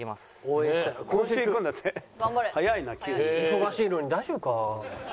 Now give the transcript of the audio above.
忙しいのに大丈夫か？